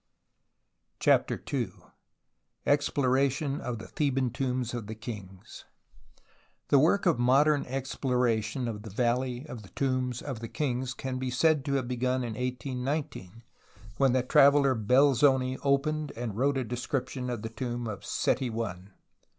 CHAPTER II EXPLORATION OF THE THEBAN TOMBS OF THE KINGS The work of modern exploration of the Valley of the Tombs of the Kmgs can be said to have begun in 1819 when the traveller Belzoni opened and wrote a description of the tomb of Seti I.